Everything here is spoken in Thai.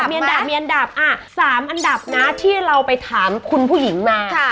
มีอันดับอ่ะ๓อันดับนะที่เราไปถามคุณผู้หญิงมา